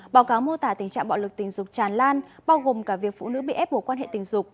báo cáo mô tả tình trạng bạo lực tình dục tràn lan bao gồm cả việc phụ nữ bị ép bổ quan hệ tình dục